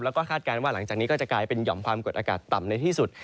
แล้วก็คาดการณ์ว่าหลังจากนี้ก็จะกลายเป็นหย่อมความกดอากาศต่ำในที่สุด